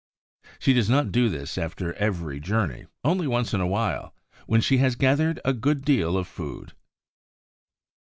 She does not do this after every journey; only once in a while, when she has gathered a good deal of food.